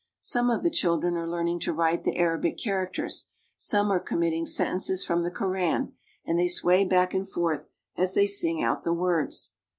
Some of the children are learning to write the Arabic characters, some are commit ting sentences from the Koran, and they sway back and forth as they sing out the words.